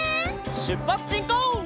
しゅっぱつしんこう！